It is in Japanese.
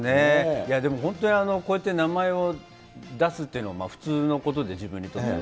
いや、でも本当に、こうやって名前を出すというのは普通のことで、自分にとっては。